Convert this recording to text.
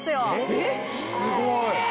えっすごい！